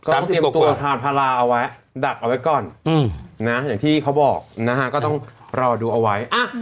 ต้องเตรียมตัวทางพลาเอาไว้ดักเอาไว้ก่อนนะอย่างที่เขาบอกนะฮะก็ต้องรอดูเอาไว้